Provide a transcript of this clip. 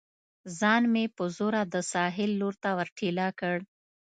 ځان مې په زوره د ساحل لور ته ور ټېله کړ.